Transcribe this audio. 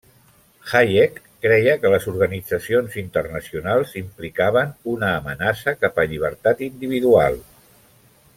Hayek creia que les organitzacions internacionals implicaven una amenaça cap a llibertat individual.